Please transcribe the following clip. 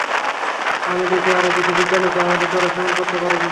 আমি দেখি আরো কিছু বিজ্ঞানীকে আমাদের দলে শামিল করতে পারি কিনা।